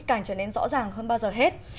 càng trở nên rõ ràng hơn bao giờ hết